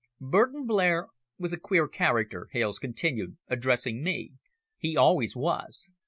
"Burton Blair was a queer character," Hales continued, addressing me, "he always was.